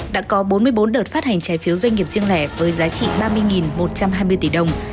đã có bốn mươi bốn đợt phát hành trái phiếu doanh nghiệp riêng lẻ với giá trị ba mươi một trăm hai mươi tỷ đồng